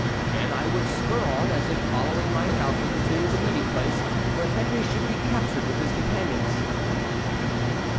Then I would spur on, as if following my falcon, to the meeting place, where Henry should be captured with his companions."